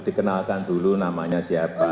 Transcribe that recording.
dikenalkan dulu namanya siapa